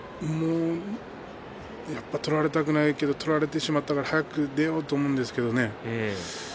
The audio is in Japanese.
やっぱり取られたくないけれども取られてしまったから早く出ようと思うんですけれどね。